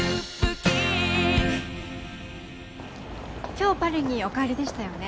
今日パリにお帰りでしたよね